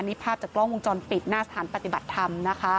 นี่ภาพจากกล้องวงจรปิดหน้าสถานปฏิบัติธรรมนะคะ